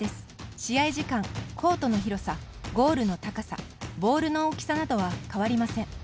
試合時間、コートの広さゴールの高さボールの大きさなどは変わりません。